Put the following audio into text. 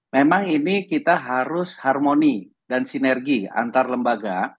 memang ini kita harus harmoni dan sinergi antar lembaga